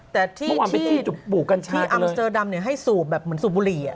แต่ที่อัมเมิสเตอร์ดำให้สูบเหมือนสูบบุหรี่